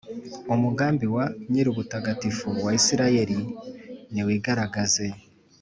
Umugambi wa Nyirubutagatifu wa Israheli niwigaragaze,